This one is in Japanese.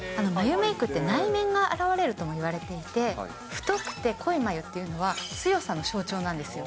眉メークって、内面が表れるとも言われていて、太くて濃い眉というのは、強さの象徴なんですよ。